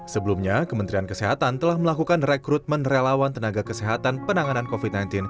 sebelumnya kementerian kesehatan telah melakukan rekrutmen relawan tenaga kesehatan penanganan covid sembilan belas